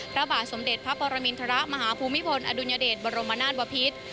พระบาทสมเด็จพระปรมินทรมาฮภูมิพลอดุลยเดชบรมนาศบพิษ